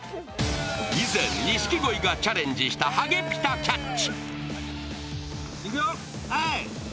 依然、錦鯉がチャレンジしたハゲピタ・キャッチ。